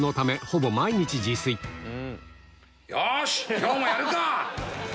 今日もやるか！